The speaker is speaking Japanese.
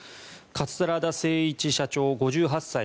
桂田精一社長、５８歳。